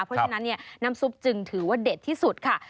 เพราะฉะนั้นน้ำซุปจึงถือว่าเด็ดที่สุดค่ะ